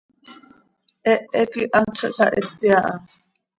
Hehe quih hantx ihsahiti aha.